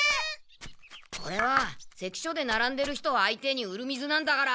これは関所でならんでる人を相手に売る水なんだから。